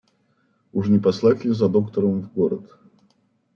Уж не послать ли за доктором в город?